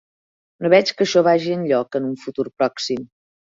No veig que això vagi enlloc en un futur pròxim.